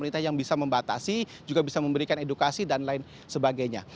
pemerintah yang bisa membatasi juga bisa memberikan edukasi dan lain sebagainya